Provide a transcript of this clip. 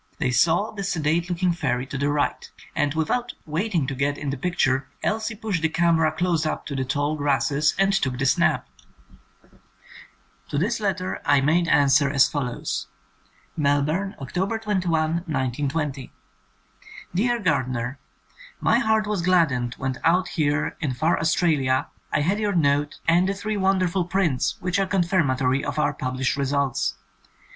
They saw the sedate looking fairy to the right, and without wait ing to get in the picture Elsie pushed the camera close up to the tall grasses and took the snap. ... 96 THE SECOND SERIES To this letter I made answer as follows: Melbourne, October 21, 1920. Deak Gardnee, My heart was gladdened when out here in far Australia I had your note and the three wonderful prints which are con firmatory of our published results.